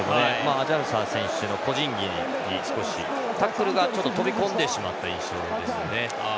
アジャルサ選手の個人技に少しタックルがちょっと飛び込んでしまった印象ですね。